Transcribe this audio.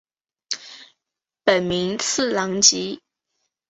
本名次郎吉。